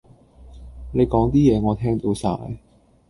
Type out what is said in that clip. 你講啲嘢我聽到晒